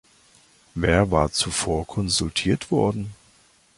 Wer war zuvor konsultiert worden?